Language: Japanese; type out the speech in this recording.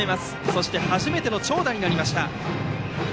そして初めての長打になりました。